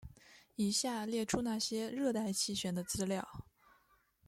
以下列出那些热带气旋的资料。